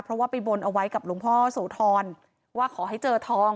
เพราะว่าไปบนเอาไว้กับหลวงพ่อโสธรว่าขอให้เจอทอง